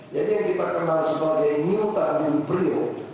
jadi yang kita kenal sebagai new tarbion plio